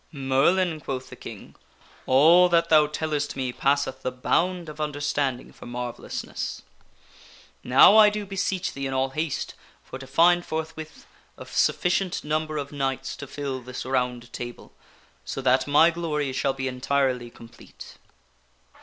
" Merlin," quoth the King, " all that thou tellest me passeth the bound of understanding for marvellousness. Now I do beseech thee in all haste for to find forthwith a sufficient number of knights to fill this Round Table so that my glory shall be entirely complete."